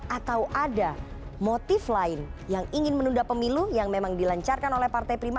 atau ada motif lain yang ingin menunda pemilu yang memang dilancarkan oleh partai prima